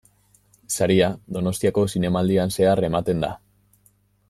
Saria, Donostiako Zinemaldian zehar ematen da.